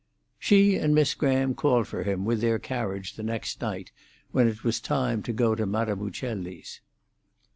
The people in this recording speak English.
She and Miss Graham called for him with her carriage the next night, when it was time to go to Madame Uccelli's.